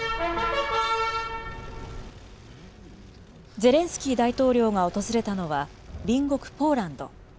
ゼレンスキー大統領が訪れたのは、隣国ポーランド。